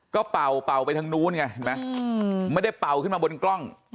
ก็เป่าเป่าไปทั้งนู้นไงไม่ได้เป่าคืนมาบนกล้อง